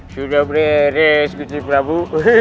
sudah beres kucing prabu